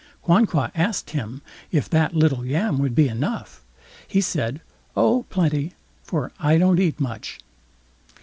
Quanqua asked him if that little yam would be enough, he said, "Oh! plenty", for I don't eat much.